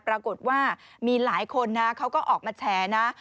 ปรากฏว่ามีหลายคนนะเขาก็ออกมาแฉนะ